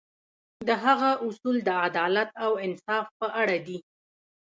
د هغه اصول د عدالت او انصاف په اړه دي.